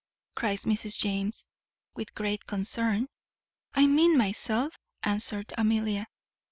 cries Mrs. James with great concern. "I mean myself," answered Amelia.